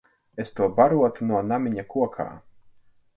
Es to barotu no namiņa kokā.